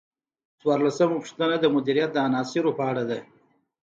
څوارلسمه پوښتنه د مدیریت د عناصرو په اړه ده.